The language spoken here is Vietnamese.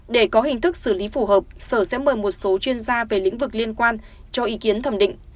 trong cuộc họp sở sẽ mời một số chuyên gia về lĩnh vực liên quan cho ý kiến thẩm định